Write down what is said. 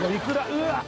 うわっ。